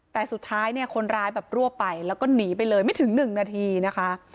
แต่สุดท้ายเนี่ยคนร้ายแบบรวบไปแล้วก็หนีไปเลยไม่ถึง๑นาทีนะคะ